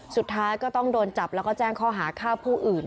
สุดท้ายก็ต้องโดนจับแล้วก็แจ้งข้อหาฆ่าผู้อื่น